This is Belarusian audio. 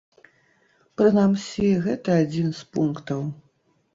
Прынамсі, гэта адзін з пунктаў.